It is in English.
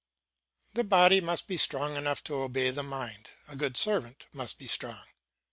The body must be strong enough to obey the mind; a good servant must be strong.